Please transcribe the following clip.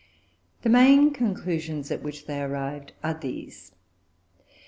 The main conclusions at which they arrived are these.